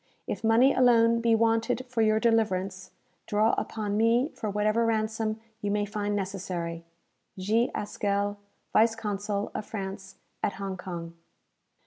If money alone be wanted for your deliverance, draw upon me for whatever ransom you may find necessary. "G. HASKELL, Vice Consul of France at Hong Kong."